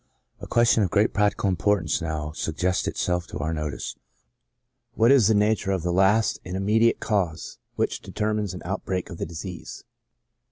A question of great practical importance now suggests it self to our notice. What is the nature of the last and im mediate cause which determines an outbreak of the disease